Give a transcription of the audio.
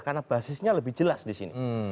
karena basisnya lebih jelas disini